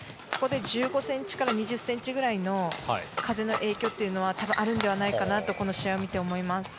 そこで１５ｃｍから２０ｃｍぐらいの風の影響が多分あるのではないかなとこの試合を見て思います。